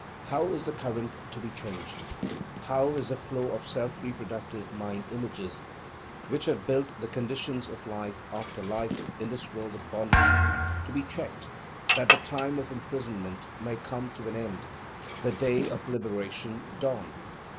How is the current to be changed? How is the flow of self reproductive mind images, which have built the conditions of life after life in this world of bondage, to be checked, that the time of imprisonment may come to an end, the day of liberation dawn?